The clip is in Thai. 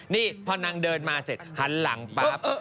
นี่พอนางเดินมาเสร็จหันหลังปั๊บ